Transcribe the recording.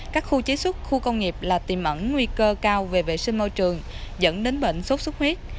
các khu chế xuất khu công nghiệp là tìm ẩn nguy cơ cao về vệ sinh môi trường dẫn đến bệnh sốt xuất huyết